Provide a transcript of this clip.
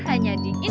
hanya di indomaret